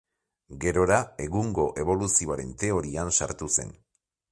Gerora egungo eboluzioaren teorian sartu zen.